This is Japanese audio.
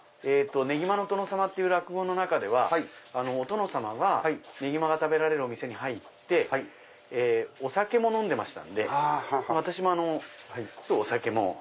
『ねぎまの殿様』っていう落語の中ではお殿様がねぎまが食べられるお店に入ってお酒も飲んでましたんで私もお酒も。